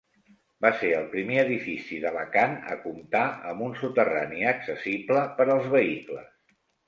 Va ser el primer edifici d'Alacant a comptar amb un soterrani accessible per als vehicles.